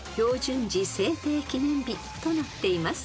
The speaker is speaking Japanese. ［となっています。